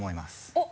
おっ！